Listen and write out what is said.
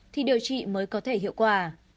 thì điều trị mới có thể hiệu quả